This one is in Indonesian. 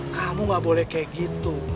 kamu gak boleh kayak gitu